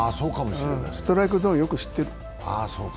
ストライクゾーンよく知ってる。